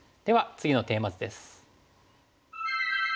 次のテーマ図です。